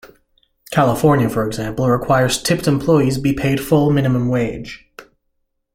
California, for example, requires tipped employees be paid full minimum wage.